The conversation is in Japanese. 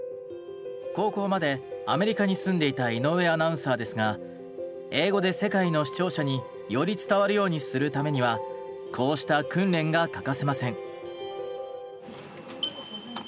高校までアメリカに住んでいた井上アナウンサーですが英語で世界の視聴者により伝わるようにするためにはこうした訓練が欠かせません。